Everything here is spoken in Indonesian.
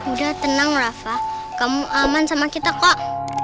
udah tenang rafa kamu aman sama kita kok